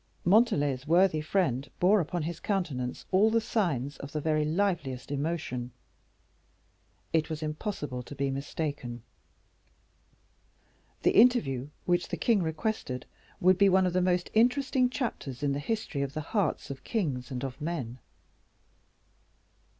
Montalais's worthy friend bore upon his countenance all the signs of the very liveliest emotion. It was impossible to be mistaken; the interview which the king requested would be one of the most interesting chapters in the history of the hearts of kings and of men.